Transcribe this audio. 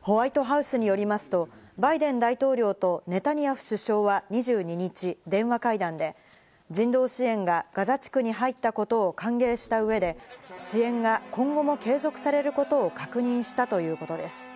ホワイトハウスによりますと、バイデン大統領とネタニヤフ首相は２２日、電話会談で人道支援がガザ地区に入ったことを歓迎した上で支援が今後も継続されることを確認したということです。